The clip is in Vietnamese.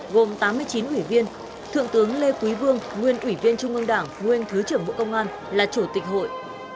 gồm tám mươi chín ủy viên thượng tướng lê quý vương nguyên ủy viên trung ương đảng nguyên thứ trưởng bộ công an là chủ tịch hội